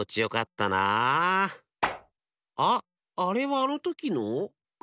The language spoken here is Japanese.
あっあれはあのときの？